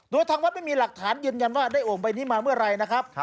โดยทางวัดไม่มีหลักฐานยืนยันว่าได้โอ่งใบนี้มาเมื่อไหร่นะครับ